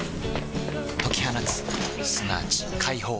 解き放つすなわち解放